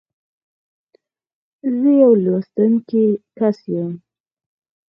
زه يو لوستونکی کس یم.